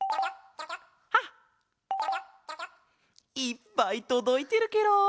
いっぱいとどいてるケロ！